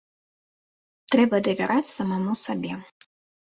Трэба давяраць самаму сабе.